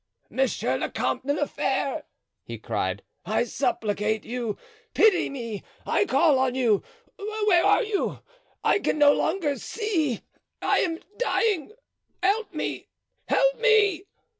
"Monsieur the Comte de la Fere," he cried, "I supplicate you! pity me! I call on you—where are you? I see you no longer—I am dying—help me! help me!"